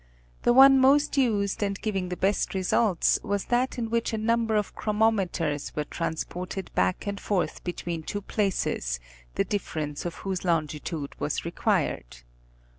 The one most used and giving the best results was that in which a number of chronom eters were transported back and forth between two places the difference of whose longitudes was required.